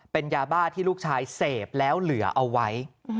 เป็นยาบ้าที่ลูกชายเสพแล้วเหลือเอาไว้